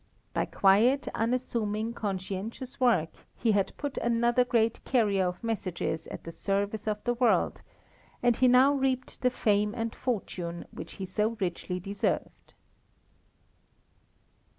By quiet, unassuming, conscientious work he had put another great carrier of messages at the service of the world, and he now reaped the fame and fortune which he so richly deserved.